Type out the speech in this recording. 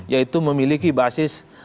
yaitu memiliki basis